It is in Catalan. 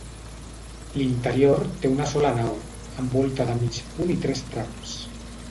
L'interior té una sola nau, amb volta de mig punt i tres trams.